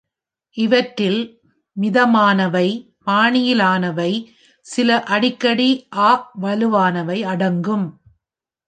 இவற்றில் “மிதமானவை”, “பாணியினாலவை”, “சில”, ‘அடிக்கடி” (அ) “வலுவானவை” அடங்கும்.